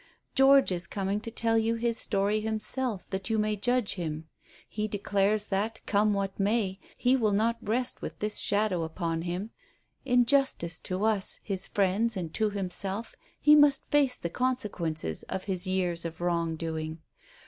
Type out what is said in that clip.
"George is coming to tell you his story himself, that you may judge him. He declares that, come what may, he will not rest with this shadow upon him. In justice to us, his friends, and to himself, he must face the consequences of his years of wrongdoing.